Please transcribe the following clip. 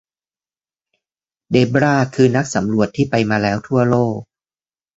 เดบราคือนักสำรวจที่ไปมาแล้วทั่วโลก